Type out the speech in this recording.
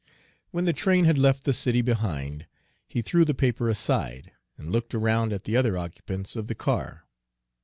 When the train had left the city behind, he threw the paper aside, and looked around at the other occupants of the car.